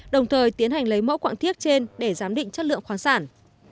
đồng thời tiến hành lấy mẫu quạng thiết trên để giám định chất lượng khoáng sản